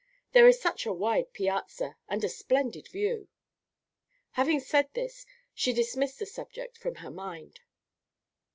There is such a wide piazza, and a splendid view." Having said this, she dismissed the subject from her mind.